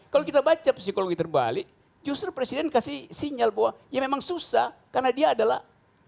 kalau kita baca psikologi terbalik justru presiden kasih sinyal bahwa ya memang susah karena dia adalah